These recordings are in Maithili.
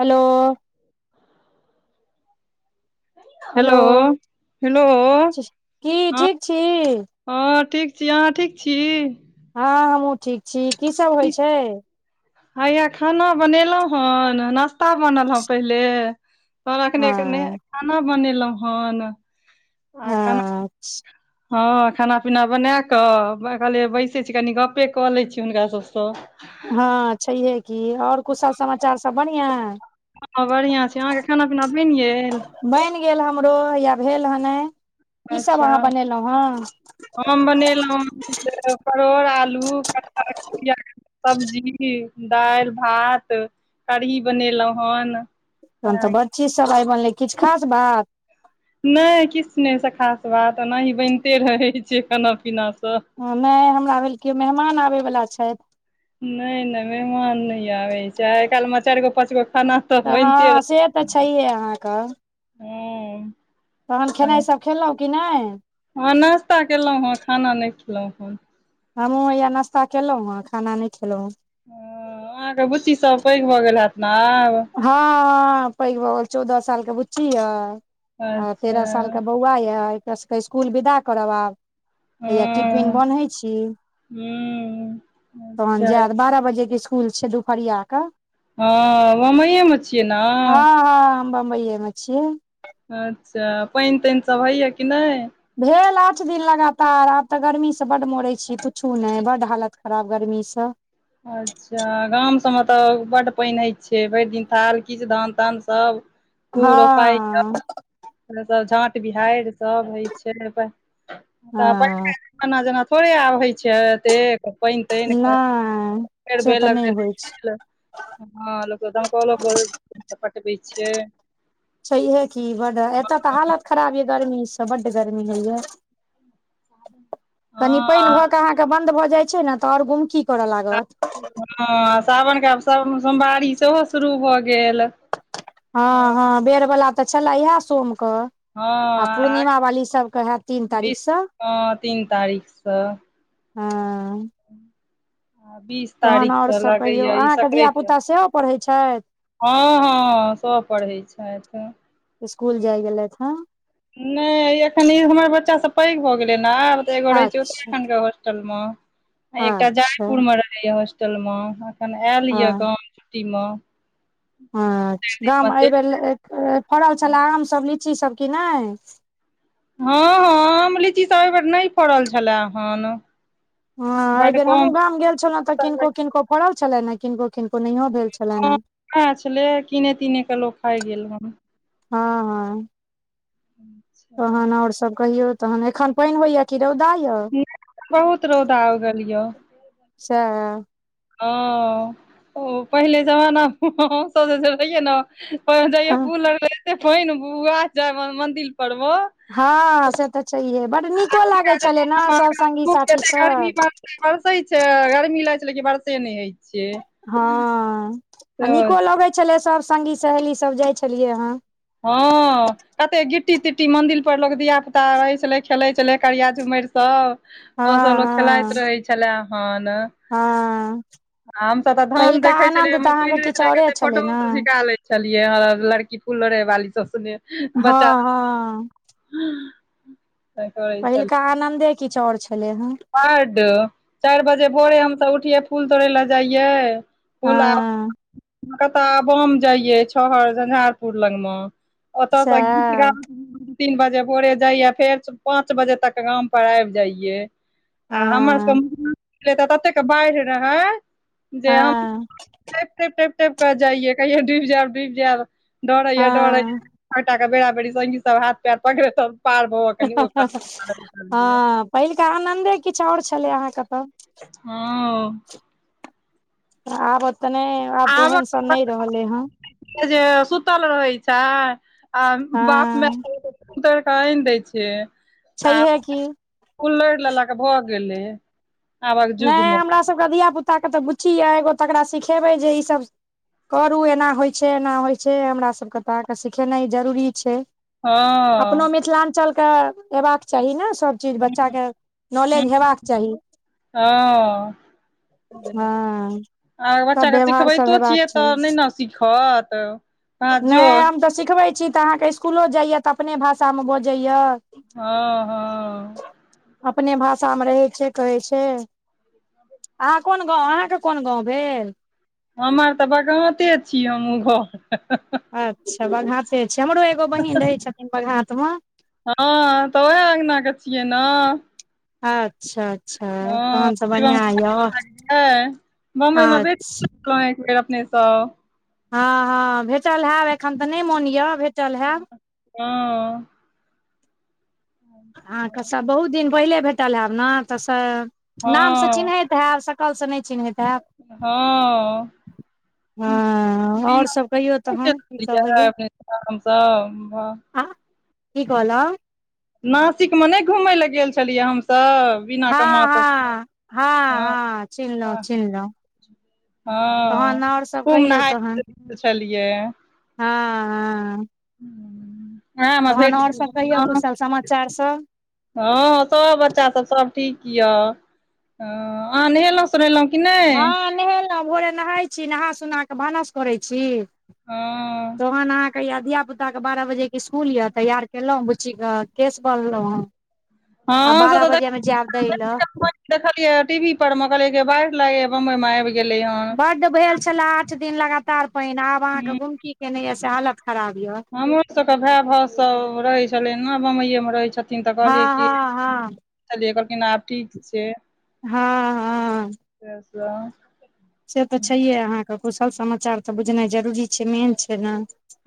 हेलो हेलो हेलो की हँ ठीक छी हँ ठीक छी अहाँ ठीक छी हँ हमहूँ ठीक छी कीसब होइ छै हैया खाना बनेलहुँ हन नाश्ता बनल हेँ पहिले तोर हँ अखने खाना बनेलहुं हन आ खाना हँ हँ खाना पीना बना कऽ कहलियै बैसै छी कनि गपे कऽ लैत छी हुनका सभसँ हँ छैहे की ओर कुसब समाचार सब बढ़िआं हँ बढ़िआँ छै अहाँके खाना पीना बनि गेल बनि गेल हमरो या भेल हने कीसभ अच्छा अहाँ बनेलहुँ हन हम बनेलहुँ परोड़ आलू पर पआज सब्जी दालि भात कढ़ी बनेलहुँ हन तन तऽ हँ बड चीज सब आइ बनलै किछ खास बात नहि किछ नहि से खास बात ओनाहि बनिते रहै छै खाना पीना सं नहि हमरा भेल केओ मेहमान आबैवला छथि नहि नहि मेहमान नहि आबै छै आइ काल्हिमे चारि गो पाँच गो खाना तऽ बनिते हँ से तऽ छैहे अहाँक हूँ तहन खेनाईसब खेलहुँ की नहि हँ नास्ता केलहुँ हेँ खाना नहि खेलहुँ हेँ हमहुँ हैया नाशा केलहुँ हेँ खाना नहि खेलहुँ हँ हं अहाँके बुच्ची सब पैघ भऽ गेल हैत ने आब हँ पैघ भगेल चौदह साल के बुच्ची यऽ आ तेरह अच्छा सालके बौआ यए एकरा सबके इसकुल विदा करब आब हैया टिफिन हँ बन्है छी हूँ तहन अच्छा जायत बारह बजे के इसकुल छै दुपहरिया कऽ हँ मइमे चेना हँ हँ हम बम्बैये में छियै अच्छा पानि तानि सब होइये कि नहि भेल आठ दिन लगातार आब तऽ गर्मीसँ बड्ड मड़ै छी पुछू नइ बड्ड हालत खराब गर्मीसँ अच्छा अच्छा गाम सभमें तऽ बड्ड पानि होइ छै भरि दिन थाल किछु धान तान सब खू रोपाइ हँ झाँट बिहारि सभ होइ छै तऽ हँ पहिलका जमाना जेना थोड़े आबै छै एतेक नय भेल भेल ह त दमकलो पटबै छिय छैहे की बड एतऽ तऽ हालत खराबी य गर्मी इ सब ब्ड गर्मी होइय कनि पानि हँ भऽ कऽ अहाँके बंन्द भऽ जाइत छै ने तऽ ओर गुमकी करय लागत हँ सावनके आब सोमवारी सेहो शुरू भऽ गेल हँ हँ बेर बला तऽ छलए इएह सोमके आ पूर्णिमा वाली सभके हएत तीन बीस तारीखसँ हँ तीन तारीखसँ हँ आ बीस तखन आउर तारीखसँ सब कहियौ लगैया ई अहाँके धिया सकराइत पुता सेहो पढ़ैत छथि हँ हँ सभ पढ़ै छथि स्कुल जाइ हूँ गेलथ हँ नहि एखन ई हमर बच्चासभ पैघ भऽ गेलै ने आब तऽ एगो रहै छै अच्छा उत्तराखण्डके होस्टल म एकटा अच्छा जयपुर में रहे या हॉस्टल म अखन आयल य गाव कार्तिक म अ गाम एहि बेर फड़ल छले आम सभ लीची सभ कि नहि हँ, हँ, आम लीचीसभ एहिबेर नहि फड़ल छले हन। हँ, एहि बड बेर कम हमहुँ गाम गेल छलहुँ तऽ किनको किनको फड़ल छले ने किनको किनको। नहियो भेल छलनि हे [unintelligible] छले कीने तीने कऽ लोक खाइ गेल हन हँ, हँ। अच्छा। तहन और सभ कहियो तहन एखन पाइन होइये कि रौदा य। बहुत रौदा उगल यऽ। सेहा। ह, ओ पहिले जमाना रहियै न। जइय पूल लगल एते पाइन भुभुआ मंदिर पर म। हँ, से तऽ छै, हे बड नीको लागै छलै ने सभ संघी साथी सभ बरसे छै, गर्मी लागै छै, लेकिन वर्षासे नहि होइ छै। हँ, आ तऽ नीको लगैत छ, लै सभ संघि सहेली सभ जाइत छलियै हँ। हँ। कते गिट्टी तिट्टी मंदिर पर लोक धियापुता रहै, छले खेलै छलै करिया झुमरि सभ। हँ ओसभ लोक हँ खेलाइत रहै छला हन। हँ हम सभ तऽ धान पहिलका देखे आनन्द तऽ अहाँके किछु छलियै औरे कते छलै फोटो ने झिका ले। चलियै लड़की फूल लोरहै बाली सभ सुने। बच्चा हँ, हँ। करै पहिलका आनन्दे किछु आउर छलै ह। बड चारि बजे भोरे हम सभ उठिये फूल तोड़े लऽ जाइये। फुला हँ कतऽ बम जाइये छहर झंझारपुर लंग म। ओ तऽ स गीत सएह [unintelligible] तीन बजे भोरे जाइये फेर पाँच बजे तक गामपर आबि जाइये। आ हमर हँ सभके मै तऽ [unintelligible] ततेक बाढ़ि रहै जे हम हँ टैप टपि टपि टप कऽ जाइयै कहियो डुबि जायब डुबि जायब डर होयै डर हँ होयै। कटाके बेरा बेरी संगी सभ हाथ पार पकड़े पार भऽ कनि। हँ पहिलका आनन्दे किछु आउर छलै अहाँकेँ तऽ हँ। आब ओतने आब तऽ ओहन आबक सन नहि रहले हँ। जे सुतल रहै छैय आ बाप मैय हँ [unintelligible] आएन दै छैय आ छैहे की फूल लोहिड़ लेल कऽ भऽ गेलै आबक नहि युगमे हमर सभके धियापुता के तऽ बुची य एगो तकरा सिखेबै जे ईसभ। करू एना होइ छै, एना होइ छै, हमरासके तऽ अहाँकेँ सिखेनाइ जरूरी छै। अपनो हँ मिथिलांचल अयबाक चाही न सभ। चीज बच्चाके नॉलेज हेबाक चाही। हँ। हँ आ, सब बच्चाके व्यवहार सब सिखबैतो हेबाक छियै, तऽ चाही नहि ने सीखत। हँ जो नहि हम तऽ सिखबै छी तऽ अहाँकेँ स्कूल जाइए तऽ अपने भाषामे बजैया। हँ। हँ अपने भाषामे रहै छै, कहै छै। अहाँ कोन गाव अहाँकेँ कोन गाव भेल। हमर तऽ बघाते छी हम उ घर। अच्छा बघाते छैय, हमरो एगो बहिन रहै छथिन, बघातमे हँ, तऽ उएह अंगनाके छियै न। अच्छा अच्छा तहन तऽ हां बढ़िआँ बम्बई यऽ में [inaudible] अच्छा भलहुँ एक बेर अपने सब हँ हँ भेटल होयब एखन तऽ नहि मोन यऽ भेटल हैब हँ अहाँके सभ बहुत दिन पहिले भेटल होब ने तऽ नामसँ हँ चिन्हैत तऽ सकल से नहि चीनहैत हँ हँ आओर सब कहियौ तहन की सब होइया रामसँ आ की कहल नासिक में नहि घूमय लए गेल छलियै हमसब बिना हँ कऽ मां सब हँ हँ हँ चिन्हलौं चिन्हलौं हँ तहन आओर सब खूब कहियौ तहन नहायत छलियै हँ हाँ ह आभेट गेल कहियौ छलौ कुशल समाचार सब हँ सभ बच्चाभ सभ ठीक यए हँ अहाँ नहेलहुँ उतरलहुँ कि नहि नहेलहुं भोरे नहाय छी नहा सोना क भानस करै छी हँ तोहन आहा के या धीया पुता धिया के बार बजे के स्कूल ये तैयार केलौ बुच्ची के केश बढ़लौन हं आ हँ से बारह तऽ बजे में जायब दैय लए देखलियै टीवी पर में कहलै के बाहर लागय बंबई मे आबि गेलै हन बड्ड भेल छलै आठ दिन लगातार पानि आब अहाँके हूँ गुमकी केने यए से हालत खराब यऽ सभके भाय भाव सभ रहै छलै ने बम्बइएमे रहै छथिन तऽ हँ कहलियै की हँ हँ देखलखिन आब ठीक छै हँ हँ सेस [inaudible] से तऽ छैहे अहाँके कुशल समाचार तऽ बुझनाइ जरूरी छैय मेन छैय न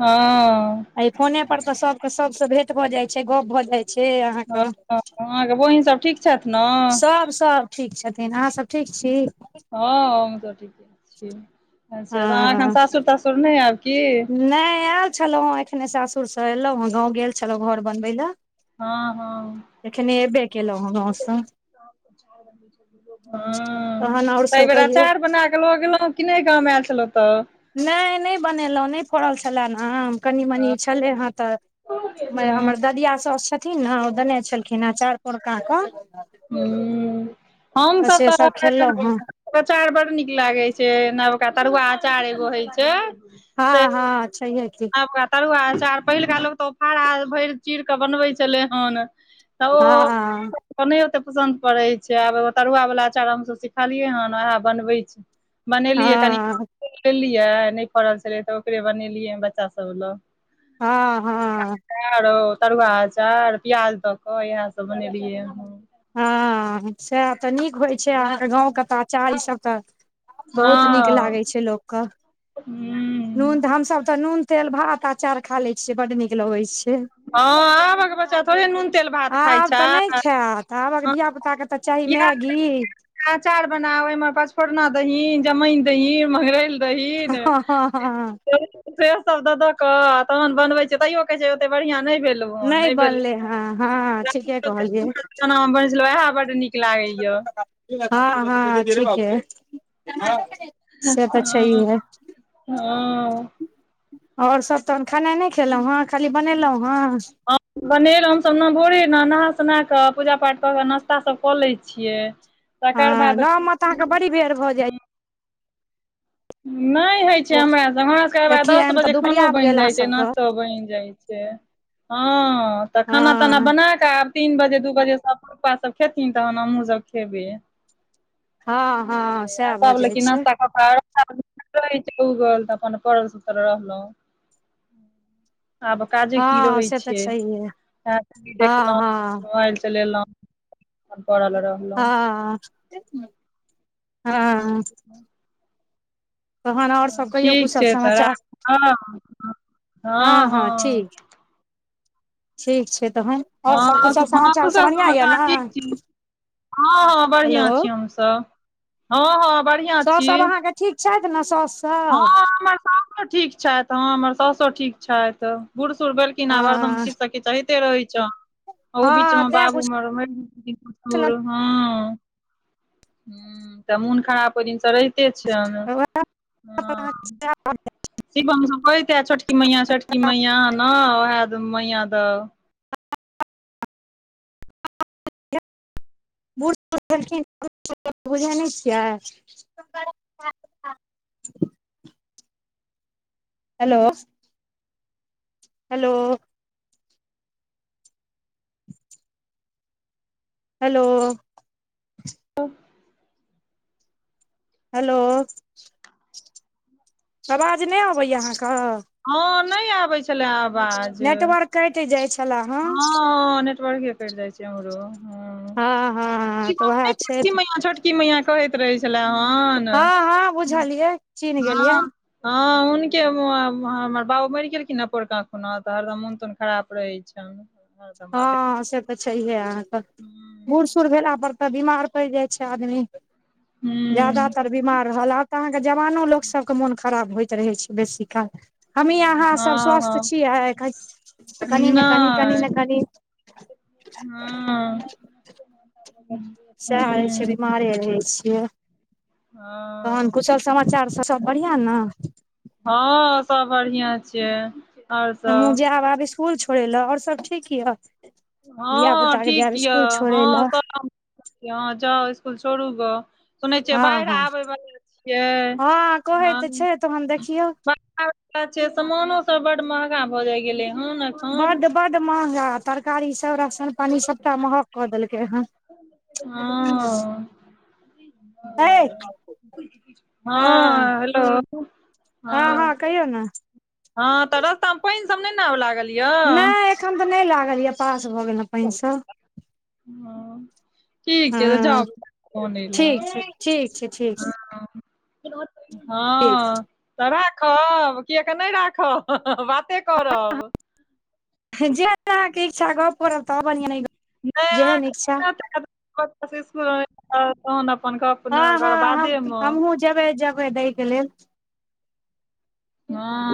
हँ एहि फोने पर त सब के सबस भेंट भए जाय छैय गप भऽ जाय छैय अहाँ हँ तऽ अहाँके बहिन सब ठीक छथि ने सब सब ठीक छथिन अहाँ सब ठीक छी हँ हम तऽ ठीके छी अच्छा तऽ अहाँ एखन हँ सासुर तासुर नहि आयब की नहि आयल छलहुँ हँ एखने सासुरसँ एयलहुँ हँ गामव गेल छलहुँ घर बनबै लए हँ हँ एखने एबे केलहुँ गाँवसँ ह तहन आओर त सब बेर कहियौ अचार बना कऽ गेलो कि नहि गामव आयल छल ओतऽ नहि नहि बनेलहुँ नहि पड़ल छलए आम क मनी छलै हँ ह तऽर ददिया सस छथिन ने ओ देने छलखिन हे चारि परकाे ह हमसभ सब तऽ खेलहुँ हेँ अचार बड नीक लागे छैय नवका तरुआ अचार एगो होय छैय हँ हँ छैहै की आबका तरुआ अचार पहिलका लोक तऽ ओ फड़ा भरि चीर कऽ बनबै छलै हन तऽ ओ हँ नहि ओतेक पसन्द पड़ैत छैय आब तरुआ वला अचार हमसभ सिखलियै हेन उएह बनबैत छैय बनेलियै कनि हँ लेलियै नहि फड़ल छलै तऽ ओकरे बनेलियै बच्चा सभ लग हँ हँ चार तरुआ अचार प्याज दऽ क इएह सब बनेलियै हं हँ सएह तऽ नीक होइ छै अहाँके गाँवके ताचाीसभ तऽ बहुत नीक हँ लागे छै लोकके ह्म नून हमस तऽ नून तेल भात अचार खा ले छियै बड नीक लगे छय हँ आबक बच्चा थोड़े नून तेल भात खाइत आब नहि छै खायत तऽ आबक धियापुताके तऽ चाही मैगी अचार बना ओहि में पचफोरना दही जमाइन दही मगरैल हीन हँ हँ हँ से सब दऽ दऽक तहन बनबै छ तैयो कहै छै ओते बढ़ियां नहि भेल नहि बनले हँ हँ ठीके कहलियै बन छलहु वह बड नीक लागैया हँ हँ ठीक ह से तऽ अच्छा ही है हं ओर सभ तहन खेनाइ नहि खेलहुँ हेँ खाली बनेलहुँ हेँ बनेल हमसभ ने भोरे न नहा सोना कऽ पूजा पाठ कऽ के नास्ता सब कऽ लै छियै तकर हँ बाद गंव मे तऽ अहाँके बड़ी भेड़ भऽ जायत नहि हइ हमरा सब हमरा सबके दस एकठियन तऽ बजे दुपहरिया खानो आबि बनि गेल अहाँ जाइ छै सबके नास्तो बनि जाइ छै हँ तऽ खाना ताना हँ बना आब तीन बजे दू बजेसँ पुपा सब खेथिन तहन हमहु सब खेबै हँ हँ सएह आसा भऽ बोल जाइ कि छै नास्ता कऽ पा रह छै उगल तऽ अपन पल सुल रहलहुँ आब काजे की हँ रहै से तऽ छै छैहे टी वी हँ देखलहुँ हँ मोबाइल चलेलहुँं हँ हँ हँ तहन आओर हं सब कहियौ ठीक कुशल छै तऽ समाचार राख हँ हँ ठीक छै तहन आओर सब हँ कुशल हँ समाचार कस सब बढ़िआँ यऽ समचार ने ठीक छी हँ हँ हेलो बढ़िआँ छी हमसभ हँ हँ बढ़िआँ साउस छी सब अहाँके ठीक छथि ने सास हँ सब हमर सासो ठीक छथि हँ हमर साउसो ठीक छथि बुढ़ सूढ़ भेलखिन आब हरदम हँ किछस किछ होयत कते रहै छौ ओ बीच हँ मे तैं बाबू मर पुछलौं हँ ह्म तऽ मोन खराब ओहि दिन स रहिते छनि हं [unintelligible] शिवम सभ कहैते छोटकी मैया छोटकी मैया आना उएह मैया द बुढ़ सुढ भेलखिन बुढ़ सुढ त बुझे नहि छियै हेलो हेलो हेलो हेलो आवाज नइ अबैया अहाँके हँ नहि आबै छले आवाज नेटवर्क कटि जाइ छला हँ नेटवर्के करी जाइ छै हमरो हँ हँ तऽ ओएह छै की मैया कहैत रहै छलै हन हँ हँ बुझलियै चिन्ह गेलियै हँ हँ हुनके हमर बाबू मरि गेलखिन ने पोरका खुना तऽ हरदम मोन तोन खराब रहे छै तहन हँ से तऽ छैहे अहाँके हूँ बूढ़ भेला पर तऽ बीमार पड़ जाय छय आदमी ज्यादातर बीमार रहल आब तऽ अहांके जवानो लोक सबके मोन खराब होइत रहै छै बेसी काल हमही अहाँसभ हँ स्वस्थ हँ छियै कहै छै कनि ने कनि कनी नहि ने कनी हँ सएह होइ छै हूँ बीमारे रहै छियै तहन हँ कुशल समाचार सभ बढ़िआँ ने हँ सब बढ़िआँ छियै आओर हमहूँ सब जायब आब स्कुल छोड़य लए और सब ठीक यऽ धिया हँ पुता के ठीक जायब य स्कुल छोड़ै हँ लए स अहां जाउ स्कुल छोड़ू ग सुनै छियै हँ बाढ़ि हँ आबे वला छियै हँ कहै हँ तऽ छै तहन देखियौ बाढ़ आबै बला छै सामानो सब बड महंगा भऽ जाय गेलै हन एखन बड महंगा तरकारी सब राशन पानी सबटा महग कऽ देलकै हन हँ हय हँ हेलो हँ हं हँ कहियौ ने हं तऽ रस्ता मे पानि सब नैने आब लागल य नहि एखन तऽ नहि लागल य पास भऽ गेल हं पानि सब हँ ठीक छै तऽ जाउ हँ अनै ल ठीक छै ठीक छै ठीक छै हं हँ ठीक तऽ राखब कि एखन नहि राखब बाते करब जेहन अहाँके इच्छा गप करब त बढ़ियां नय कर नहि बड़ा दिक्कत भ जायत बच्चा सब के स्कूल आनै तऽ तहन अपन गप न ओकर बादे म जबै जबै दइके लेल हँ